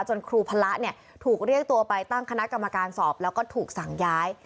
ครูพระเนี่ยถูกเรียกตัวไปตั้งคณะกรรมการสอบแล้วก็ถูกสั่งย้าย